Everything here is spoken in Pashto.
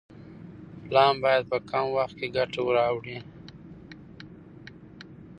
پلان باید په کم وخت کې ګټه راوړي.